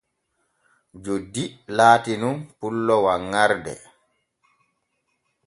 Joddi laati nun pullo wanŋarde.